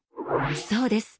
そうです。